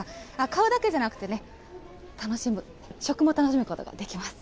買うだけじゃなくてね、楽しむ、食を楽しむことができます。